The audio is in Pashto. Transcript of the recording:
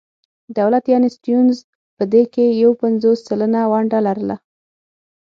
دولت یعنې سټیونز په دې کې یو پنځوس سلنه ونډه لرله.